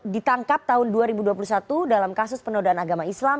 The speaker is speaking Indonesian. ditangkap tahun dua ribu dua puluh satu dalam kasus penodaan agama islam